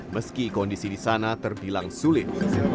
meski kondisi di sana terbilang sulit